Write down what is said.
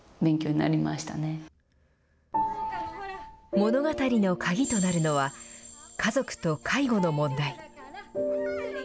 物語の鍵となるのは家族と介護の問題。